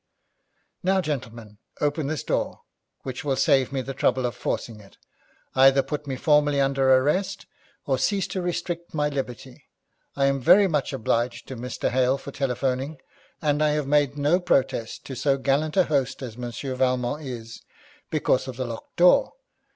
'Now, gentlemen, open this door, which will save me the trouble of forcing it. Either put me formally under arrest, or cease to restrict my liberty. I am very much obliged to Mr. Hale for telephoning, and I have made no protest to so gallant a host as Monsieur Valmont is, because of the locked door.